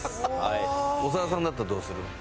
長田さんだったらどうする？